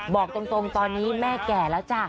บอกตรงตอนนี้แม่แก่แล้วจ้ะ